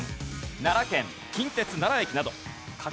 奈良県近鉄奈良駅など。